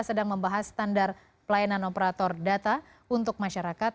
sedang membahas standar pelayanan operator data untuk masyarakat